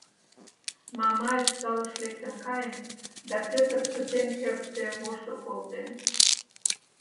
Мамаев залыш лектын каен, да Пӧтыр пытен кертде воштыл колтен.